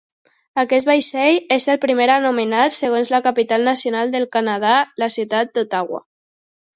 Aquest vaixell és el primer anomenat segons la capital nacional del Canadà, la ciutat d'Ottawa.